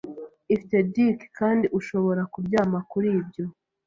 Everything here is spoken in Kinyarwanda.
ifite Dick, kandi ushobora kuryama kuri ibyo. ”